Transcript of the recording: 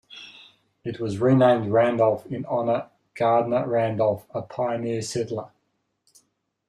It was renamed Randolph in honor Gardner Randolph, a pioneer settler.